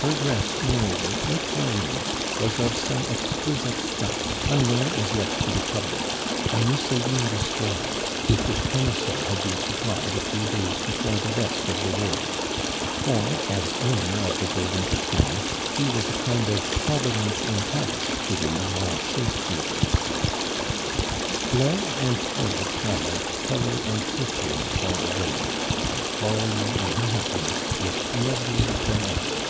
Her dress, moreover, like Florine's, was of some exquisite stuff, unknown as yet to the public, a mousseline de soie, with which Camusot had been supplied a few days before the rest of the world; for, as owner of the Golden Cocoon, he was a kind of Providence in Paris to the Lyons silkweavers. Love and toilet are like color and perfume for a woman, and Coralie in her happiness looked lovelier than ever.